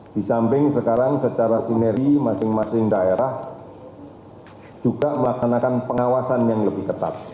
di samping sekarang secara sineri masing masing daerah juga melaksanakan pengawasan yang lebih ketat